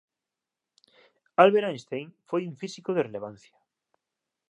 Albert Einstein foi un físico de relevancia